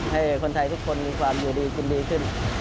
ให้คนไทยทุกคนมีความอยู่ดีกินดีขึ้น